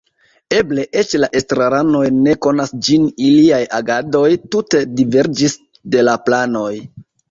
Eble eĉ la estraranoj ne konas ĝin iliaj agadoj tute diverĝis de la planoj.